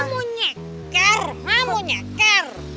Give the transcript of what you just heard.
gue mau nyecker gue mau nyecker